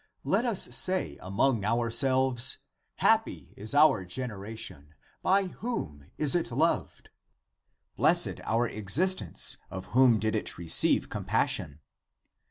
Let us say among ourselves, Happy is our generation, by whom is it loved? Blessed our existence, of whom did it receive com passion?